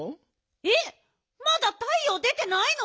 えっまだたいよう出てないの？